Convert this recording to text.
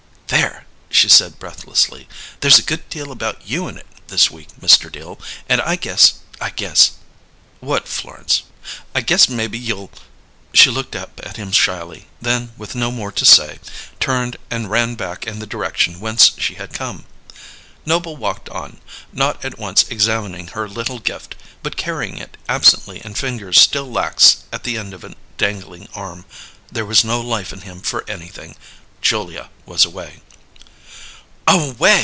"There!" she said breathlessly. "There's a good deal about you in it this week, Mr. Dill, and I guess I guess " "What, Florence?" "I guess maybe you'll " She looked up at him shyly; then, with no more to say, turned and ran back in the direction whence she had come. Noble walked on, not at once examining her little gift, but carrying it absently in fingers still lax at the end of a dangling arm. There was no life in him for anything. Julia was away. Away!